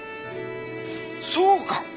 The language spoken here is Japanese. そうか！